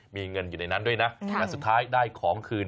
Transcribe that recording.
มีเงินอยู่ในนั้นด้วยนะและสุดท้ายได้ของคืน